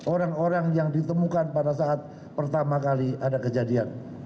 orang orang yang ditemukan pada saat pertama kali ada kejadian